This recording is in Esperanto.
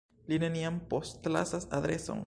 Ili neniam postlasas adreson?